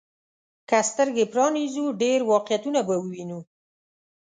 که سترګي پرانيزو، ډېر واقعيتونه به ووينو.